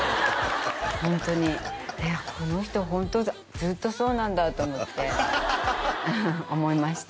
ホントにでこの人ホントずっとそうなんだと思って思いました